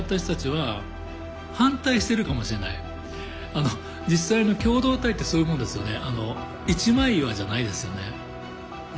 あの実際の共同体ってそういうもんですよね。